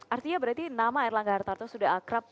artinya berarti nama erlangga hartarto sudah akrab